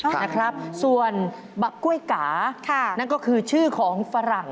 ค่ะนะครับส่วนบะกล้วยกาค่ะนั่นก็คือชื่อของฝรั่ง